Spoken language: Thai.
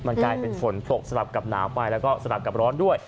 มันกลายเป็นฝนตกสลับกับหนาวไปแล้วก็สลับกับร้อนด้วย